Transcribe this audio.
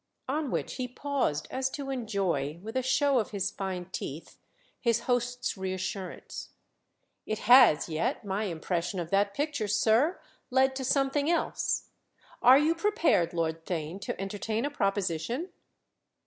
On which he paused as to enjoy, with a show of his fine teeth, his host's reassurance. "It has yet, my impression of that picture, sir, led to something else. Are you prepared, Lord Theign, to entertain a proposition?"